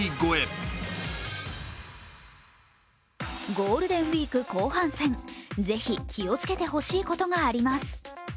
ゴールデンウイーク後半戦、ぜひ気をつけてほしいことがあります。